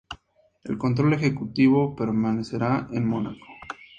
El control ejecutivo permanecerá en Mónaco.